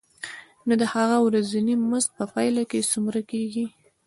نو د هغه ورځنی مزد په پایله کې څومره کېږي